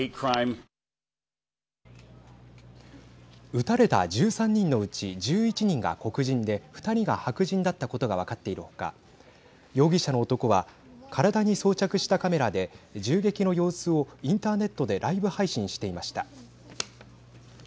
撃たれた１３人のうち１１人が黒人で２人が白人だったことが分かっているほか容疑者の男は体に装着したカメラで銃撃の様子をインターネットでライブ配信していました。